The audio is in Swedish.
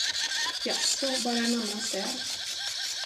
Jaså, bara en annan säl.